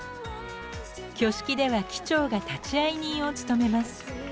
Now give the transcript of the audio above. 挙式では機長が立会人を務めます。